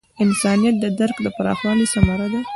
انسانیت د درک د پراخوالي ثمره ده.